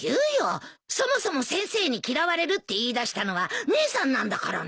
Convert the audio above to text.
そもそも先生に嫌われるって言いだしたのは姉さんなんだからね。